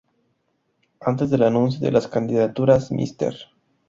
Antes del anuncio de las candidaturas, "Mr.